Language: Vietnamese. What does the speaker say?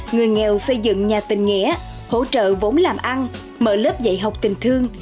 người nghèo xây dựng nhà tình nghĩa hỗ trợ vốn làm ăn mở lớp dạy học tình thương